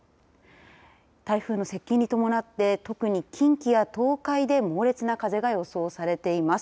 台風の接近に伴って特に近畿や東海で猛烈な風が予想されています。